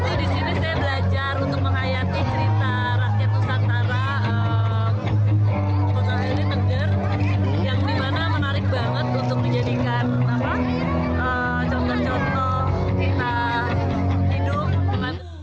kota ini tengger yang dimana menarik banget untuk dijadikan contoh contoh kita hidup